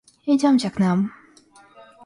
Идемте к нам!